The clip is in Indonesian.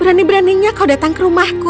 berani beraninya kau datang ke rumahku